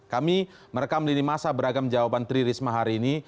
kami merekam lini masa beragam jawaban tri risma hari ini